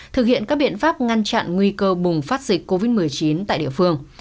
thực hiện các biện pháp ngăn chặn nguy cơ bùng phát dịch covid một mươi chín tại địa phương